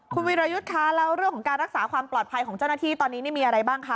คุณวิรยุทธ์คะแล้วเรื่องของการรักษาความปลอดภัยของเจ้าหน้าที่ตอนนี้นี่มีอะไรบ้างคะ